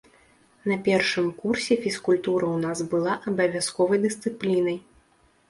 На першым курсе фізкультура ў нас была абавязковай дысцыплінай.